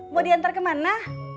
mau diantar kemana